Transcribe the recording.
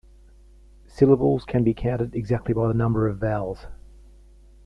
Syllables can be counted exactly by number of vowels.